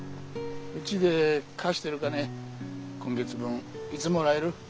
うちで貸してる金今月分いつもらえる？